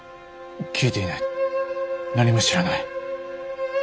聞いていない何も知らない。